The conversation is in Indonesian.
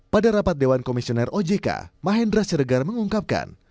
pada rapat dewan komisioner ojk mahendra siregar mengungkapkan